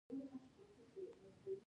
ژمی د واورو او سړې هوا موسم دی.